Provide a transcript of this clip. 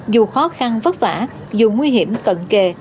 dù khó khăn vất vả dù nguy hiểm cận kề